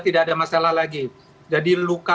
tidak ada masalah lagi jadi luka